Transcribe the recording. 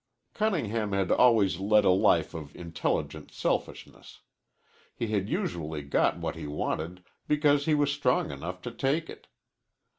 Cunningham had always led a life of intelligent selfishness. He had usually got what he wanted because he was strong enough to take it.